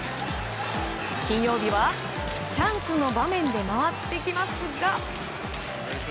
金曜日はチャンスの場面で回ってきますが。